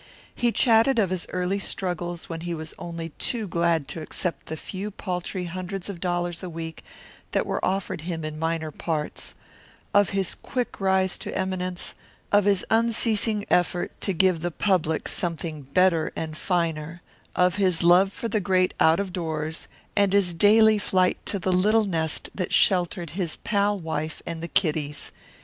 He chatted of his early struggles when he was only too glad to accept the few paltry hundreds of dollars a week that were offered him in minor parts; of his quick rise to eminence; of his unceasing effort to give the public something better and finer; of his love for the great out of doors; and of his daily flight to the little nest that sheltered his pal wife and the kiddies.